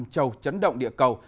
năm châu chấn động địa cầu